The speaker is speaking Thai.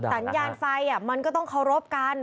สัญญาณไฟมันก็ต้องเคารพกัน